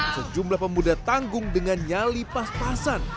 sejumlah pemuda tanggung dengan nyali pas pasan